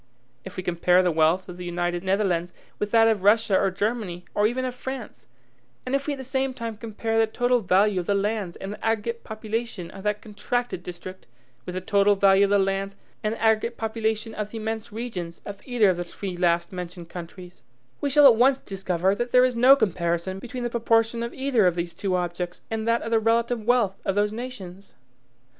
If we compare the wealth of the United Netherlands with that of Russia or Germany, or even of France, and if we at the same time compare the total value of the lands and the aggregate population of that contracted district with the total value of the lands and the aggregate population of the immense regions of either of the three last mentioned countries, we shall at once discover that there is no comparison between the proportion of either of these two objects and that of the relative wealth of those nations.